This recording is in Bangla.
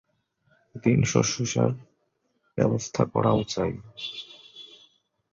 দিন শুশ্রূষার ব্যবস্থা করাও চাই।